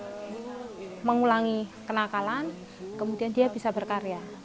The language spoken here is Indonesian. artinya dia tidak mengulangi kenakalan kemudian dia bisa berkarya